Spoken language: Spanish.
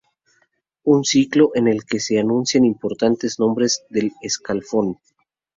Un ciclo en el que se anuncian importantes nombres del escalafón.